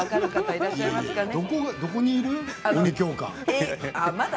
どこにいる教官。